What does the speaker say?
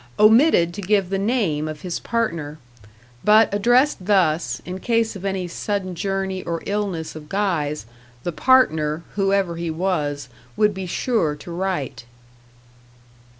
omitted to give the name of his partner; but addressed thus, in case of any sudden journey or illness of Guy's, the partner, whoever he was, would be sure to write.